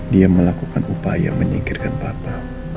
dia melakukan upaya menyingkirkan bapak